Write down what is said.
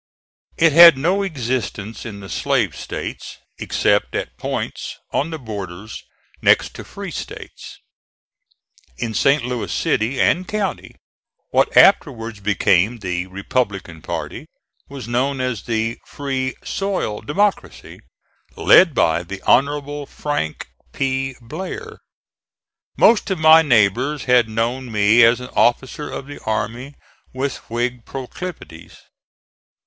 It had no existence in the Slave States except at points on the borders next to Free States. In St. Louis City and County, what afterwards became the Republican party was known as the Free Soil Democracy, led by the Honorable Frank P. Blair. Most of my neighbors had known me as an officer of the army with Whig proclivities.